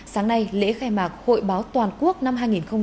sáng nay lễ khai mạc hội báo toàn quốc năm hai nghìn hai mươi bốn